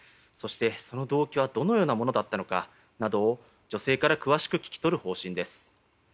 そして、その動機はどのようなものだったのかなどを女性から詳しく聴きとる方針です。